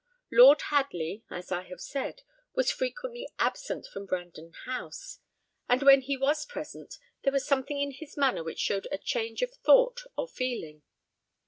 Lord Hadley, as I have said, was frequently absent from Brandon House; and when he was present, there was something in his manner which showed a change of thought or feeling.